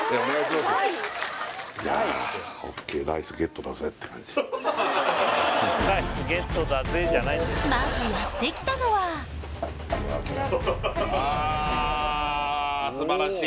まずやってきたのはあ素晴らしい！